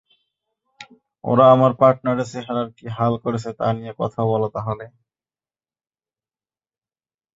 ওরা আমার পার্টনারের চেহারার কী হাল করেছে, তা নিয়ে কথা বলো তাহলে।